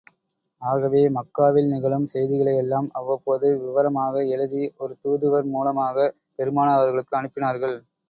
ஆகவே, மக்காவில் நிகழும் செய்திகளை எல்லாம் அவ்வப்போது விவரமாக எழுதி, ஒரு தூதுவர் மூலமாகப் பெருமானார் அவர்களுக்கு அனுப்பினார்கள்.